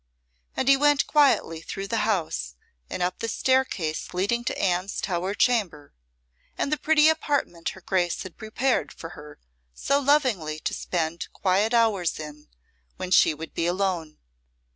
And he went quietly through the house and up the staircase leading to Anne's tower chamber, and the pretty apartment her Grace had prepared for her so lovingly to spend quiet hours in when she would be alone.